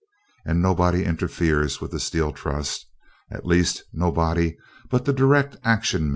And nobody interferes with the Steel Trust; at least, nobody but the direct action men.